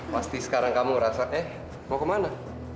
pasti sekarang kamu ngerasa eh mau ke mana